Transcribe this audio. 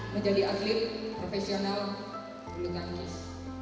menjadi aglet profesional bulu tangkis